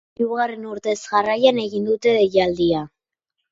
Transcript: Hirugarren urtez jarraian egin dute deialdia.